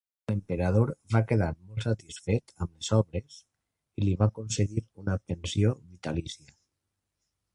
L'emperador va quedar molt satisfet amb les obres i li va concedir una pensió vitalícia.